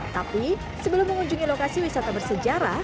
tapi sebelum mengunjungi lokasi wisata bersejarah